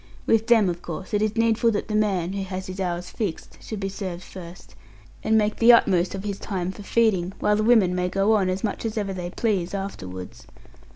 With them, of course, it is needful that the man (who has his hours fixed) should be served first, and make the utmost of his time for feeding, while the women may go on, as much as ever they please, afterwards.